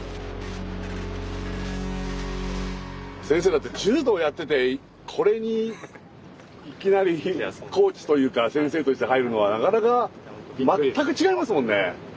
先生だって柔道やっててこれにいきなりコーチというか先生として入るのはなかなか全く違いますもんね。